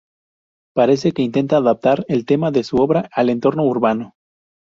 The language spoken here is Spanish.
Parece que intenta adaptar el tema de su obra al entorno urbano.